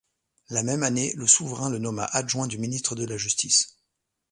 La même année le souverain le nomma adjoint du ministre de la Justice.